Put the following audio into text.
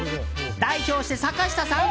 代表して、坂下さん！